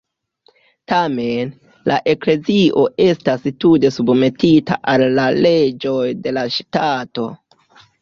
Tamen, la Eklezio estas tute submetita al la leĝoj de la ŝtato.